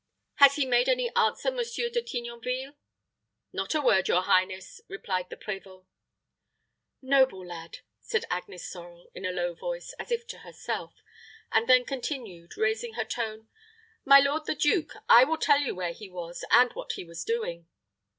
"Has he made any answer, Monsieur De Tignonville?" "Not a word, your highness," replied the prévôt. "Noble lad!" said Agnes Sorel, in a low voice, as if to herself; and then continued, raising her tone, "My lord the duke, I will tell you where he was, and what he was doing."